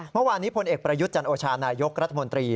เมื่อวานนี้พลเอกประยุทธ์จันโอชานายกรัฐมนตรี